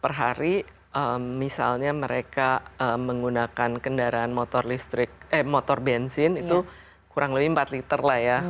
per hari misalnya mereka menggunakan kendaraan motor listrik eh motor bensin itu kurang lebih empat liter lah ya